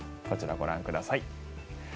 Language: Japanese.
こちら、ご覧ください。